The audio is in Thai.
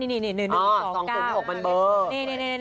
นี่นี่นี่๑๒๐๖มันเบอร์